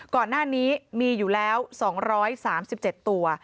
ก่อนหน้านี้มีอยู่แล้ว๒๓๗ตัว